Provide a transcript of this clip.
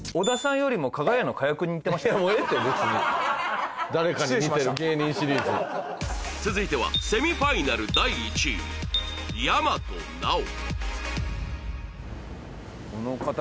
もうええてべつに誰かに似てる芸人シリーズ続いてはセミファイナル第１位大和奈央